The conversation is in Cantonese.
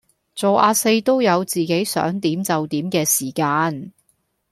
做呀四都有自己想點就點既時間